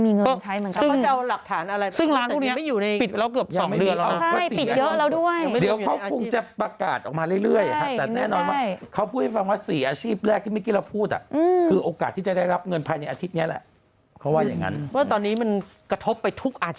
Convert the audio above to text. พี่แม่ไม่มีเงินใช้เหมือนกัน